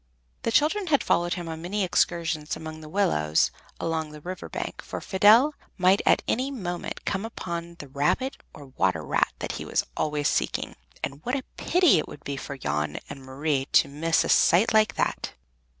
The children had followed him on many an excursion among the willows along the river bank, for Fidel might at any moment come upon the rabbit or water rat which he was always seeking, and what a pity it would be for Jan and Marie to miss a sight like that!